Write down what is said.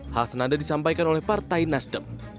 hal senada disampaikan oleh partai nasdem